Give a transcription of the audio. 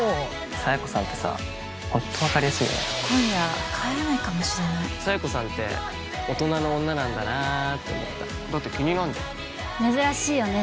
佐弥子さんってさホンット分かりやすいよね今夜帰らないかもしれない佐弥子さんって大人の女なんだなーって思っただって気になんじゃん珍しいよね